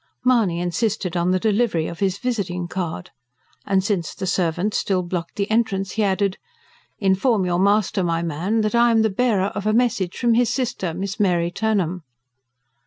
Mahony insisted on the delivery of his visiting card. And since the servant still blocked the entrance he added: "Inform your master, my man, that I am the bearer of a message from his sister, Miss Mary Turnham."